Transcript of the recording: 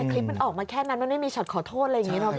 คลิปมันออกมาแค่นั้นมันไม่มีช็อตขอโทษอะไรอย่างนี้หรอ